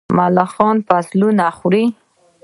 ملخان فصلونه خوري.